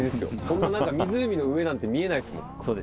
こんな何か湖の上なんて見えないですもん。